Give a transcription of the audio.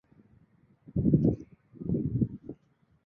kwa jamii na kwa namna ya pekee kwa vijana Baada ya kuwa tumeangalia